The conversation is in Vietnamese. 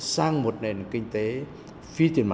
sang một nền kinh tế phương tiện